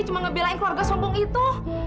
cuma ngebelain keluarga sombong itu